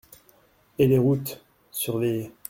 Et les routes ? Surveillées.